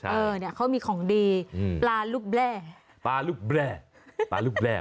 เฮ้านี่เขามีของดีปลารุ๊บแบ้